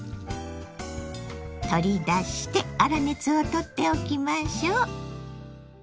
取り出して粗熱をとっておきましょう。